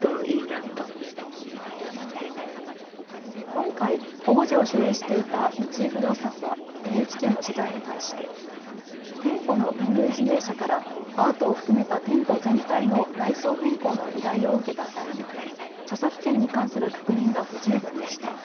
今回オブジェを所有していた三井不動産はＮＨＫの取材に対して店舗の運営事業者からアートを含めた店舗全体の内装変更の依頼を受けた際に著作権に関する確認が不十分でした。